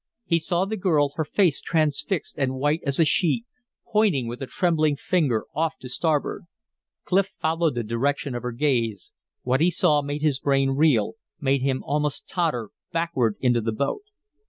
He saw the girl, her face transfixed and white as a sheet, pointing with a trembling finger off to starboard. Clif followed the direction of her gaze; what he saw made his brain reel, made him almost totter backward into the boat.